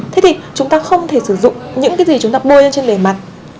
thế thì chúng ta không thể sử dụng những cái gì chúng ta mua lên trên bề mặt